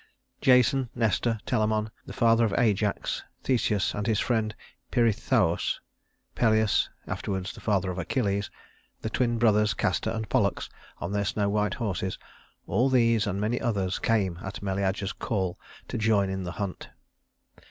Jason, Nestor, Telamon the father of Ajax, Theseus and his friend Pirithous, Peleus (afterwards the father of Achilles), the twin brothers Castor and Pollux on their snow white horses all these and many others came at Meleager's call to join in the hunt.